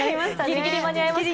ギリギリ間に合いました。